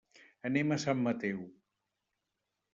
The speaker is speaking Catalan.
Anem a Sant Mateu.